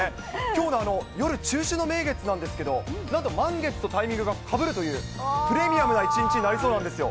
きょうの夜、中秋の名月なんですけど、なんと、満月とタイミングがかぶるという、プレミアムな一日になりそうなんですよ。